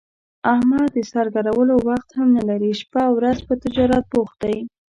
احمد د سر ګرولو وخت هم نه لري، شپه اورځ په تجارت بوخت دی.